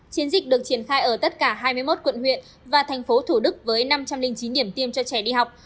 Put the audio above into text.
chiến dịch được triển khai ở tất cả hai mươi một quận huyện và thành phố thủ đức với năm trăm linh chín điểm tiêm cho trẻ đi học